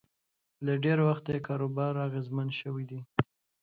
له ډېره وخته یې کاروبار اغېزمن شوی دی